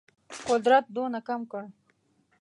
قدرت دونه کم کړ.